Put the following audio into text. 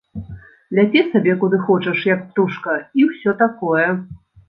Ляці сабе, куды хочаш, як птушка, і ўсё такое.